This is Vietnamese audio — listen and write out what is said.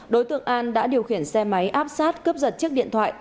đối tượng an đã điều khiển xe máy áp sát cướp giật chiếc điện thoại